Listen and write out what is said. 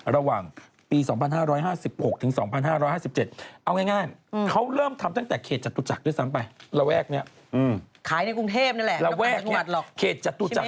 ขาลในกรุงเทพนี่แหละ